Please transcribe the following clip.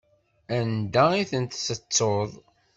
Anda i tent-tettuḍ?